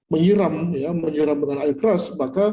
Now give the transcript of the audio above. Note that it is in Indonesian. menyiram dengan air keras